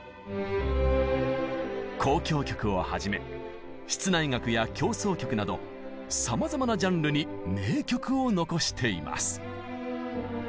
交響曲をはじめ室内楽や協奏曲などさまざまなジャンルに名曲を残しています。